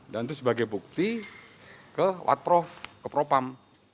dan itu sebagai bukti ke wad prof ke propam